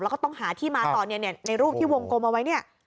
แล้วก็ต้องหาที่มาตอนนี้ในรูปที่วงกลมเอาไว้